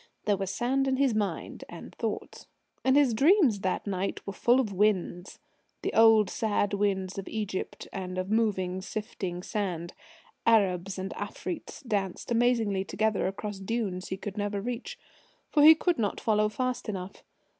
There was sand in his mind and thoughts. And his dreams that night were full of winds, the old sad winds of Egypt, and of moving, sifting sand. Arabs and Afreets danced amazingly together across dunes he could never reach. For he could not follow fast enough.